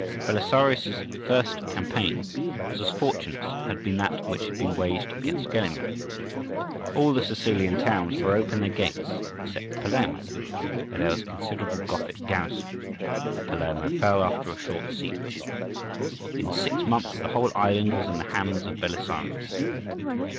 Belisarius' first campaign was as fortunate as had been that which he had waged against Gelimer. All the Sicilian towns threw open their gates except Palermo, where there was a considerable Gothic garrison, and Palermo fell after a short siege. In six months the whole island was in the hands of Belisarius.